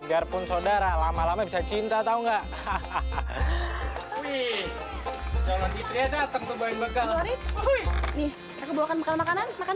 dasarkanlah kau lalu lahi prihatinnya tahu gak